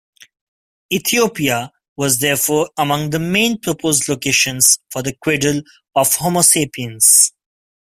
Ethiopia was therefore among the main proposed locations for the cradle of "Homo sapiens".